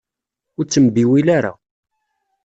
Ur ttembiwil ara.